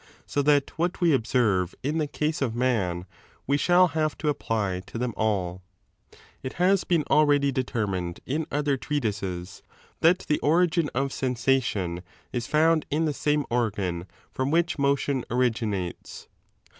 So that what we observe in the case of man, we shall have to apply to them all. ■4 It has been already determined in other treatises that 56a the origin of sensation is found in the same organ from which motion ori^natos.